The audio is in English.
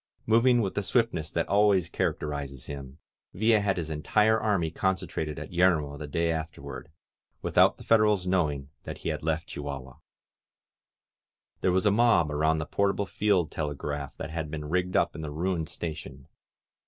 Moving with the swiftness that always characterizes him, Villa had his entire army concentrated at Yermo the day afterward, without the Federals knowing that he had left Chihuahua. There was a mob around the portable field telegraph 177 ' INSURGENT MEXICO that had been rigged up in the ruined station.